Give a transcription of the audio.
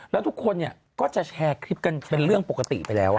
แล้วทุกคนก็จะแชร์คลิปกันเป็นเรื่องปกติไปแล้ว